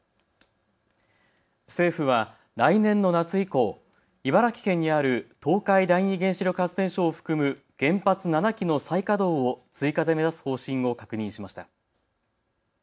政府は来年の夏以降、茨城県にある東海第二原子力発電所を含む原発７基の再稼働を追加で目指す方針を確認しました。